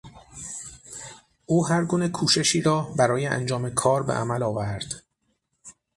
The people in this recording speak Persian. او هر گونه کوششی را برای انجام کار به عمل آورد.